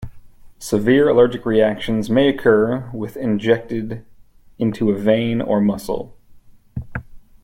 Severe allergic reactions may occur with injected into a vein or muscle.